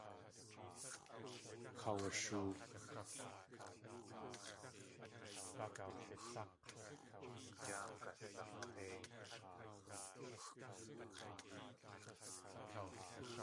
Kaawashoo.